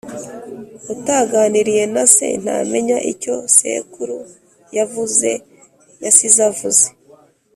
Utaganiriye na se ntamenya icyo sekuru yavuze (yasize avuze).